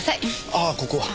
ああここは。